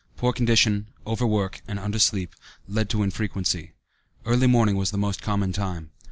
Poor condition, overwork, and undersleep, led to infrequency. Early morning was the most common time.